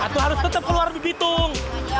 atau harus tetap keluar di bitung